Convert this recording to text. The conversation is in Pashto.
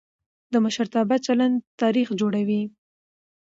د مشرتابه چلند تاریخ جوړوي